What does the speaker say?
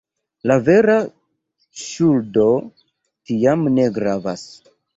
La vera ŝuldo tiam ne gravas.